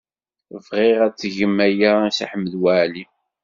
Bɣiɣ ad tgem aya i Si Ḥmed Waɛli.